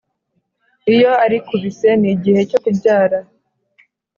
iyo ari ku bise n igihe cyo kubyara